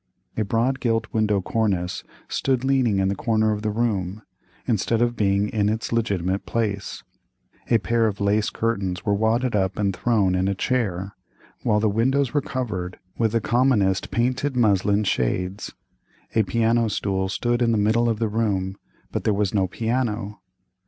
A broad gilt window cornice stood leaning in the corner of the room, instead of being in its legitimate place; a pair of lace curtains were wadded up and thrown in a chair, while the windows were covered with the commonest painted muslin shades; a piano stool stood in the middle of the room, but there was no piano.